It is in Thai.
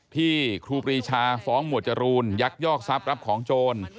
ครูปรีชาฟ้องหมวดจรูนยักยอกทรัพย์รับของโจร